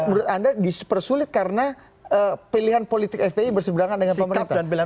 menurut anda dipersulit karena pilihan politik fpi berseberangan dengan pemerintah